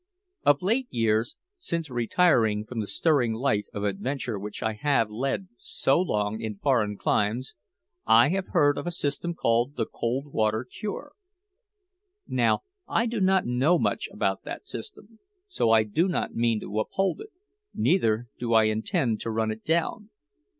Of late years, since retiring from the stirring life of adventure which I have led so long in foreign climes, I have heard of a system called the cold water cure. Now, I do not know much about that system; so I do not mean to uphold it, neither do I intend to run it down.